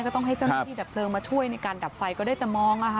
ก็ต้องให้เจ้านักดินที่ดับเนามาช่วยในการดับไฟก็ได้จะมอง